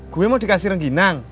gue mau dikasih rengginang